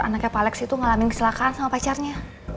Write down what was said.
anaknya pak alex itu ngalamin kesilakan sama pacarnya